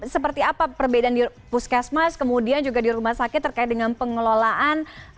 seperti apa perbedaan di puskesmas kemudian juga di rumah sakit terkait dengan pengelolaan